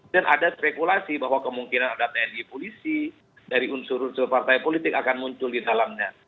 dan ada spekulasi bahwa kemungkinan ada tni polisi dari unsur unsur partai politik akan muncul di dalamnya